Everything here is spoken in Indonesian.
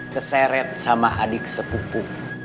keseret sama adik sepupu